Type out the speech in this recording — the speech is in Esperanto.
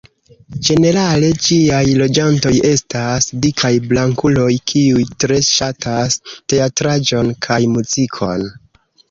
Ĝenerale, ĝiaj loĝantoj estas dikaj blankuloj kiuj tre ŝatas teatraĵon kaj muzikon.